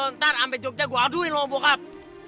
ntar sampe jogja gue aduin lo sama bokap